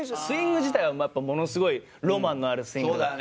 スイング自体はやっぱものすごいロマンのあるスイング。